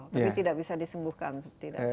tapi tidak bisa disembuhkan